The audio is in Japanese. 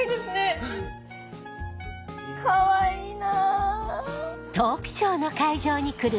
かわいいな。